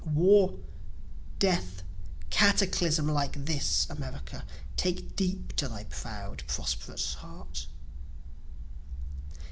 War, death, cataclysm like this, America, Take deep to thy proud prosperous heart.